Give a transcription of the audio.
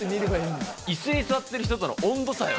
いすに座ってる人との温度差よ。